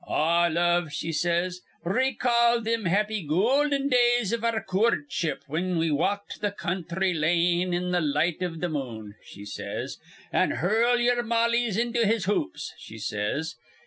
'Ah, love!' she says, 'recall thim happy goolden days iv our coortship, whin we walked th' counthry lane in th' light iv th' moon,' she says, 'an hurl yer maulies into his hoops,' she says.